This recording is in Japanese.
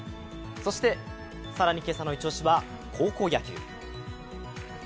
そして更に今朝のイチ押しは高校野球。